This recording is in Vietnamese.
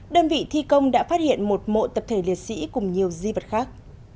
đơn vị thi công đã phát hiện một mộ tập thể liệt sĩ cùng nhiều di vật khác